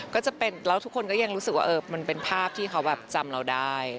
ก็จะเป็นแล้วทุกคนก็ยังรู้สึกว่ามันเป็นภาพที่เขาแบบจำเราได้